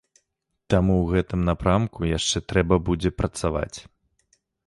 Таму ў гэтым напрамку яшчэ трэба будзе працаваць.